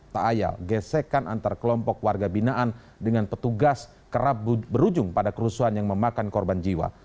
tak ayal gesekan antar kelompok warga binaan dengan petugas kerap berujung pada kerusuhan yang memakan korban jiwa